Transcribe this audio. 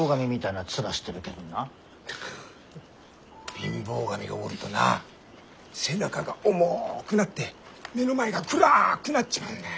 貧乏神がおるとな背中が重くなって目の前が暗くなっちまうんだ。